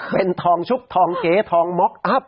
เป็นทองชุบทองเก๋ทองม็อกอัพ